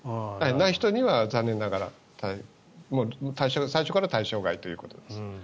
ない人には残念ながら最初から対象外ということです。